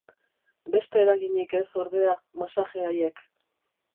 Beste eraginik ez, ordea, masaje haiek.